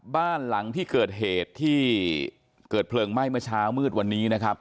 บ้านหลังที่เกิดเหตุที่เกิดเพลิงไหม้เมื่อเช้ามืดวันนี้นะครับ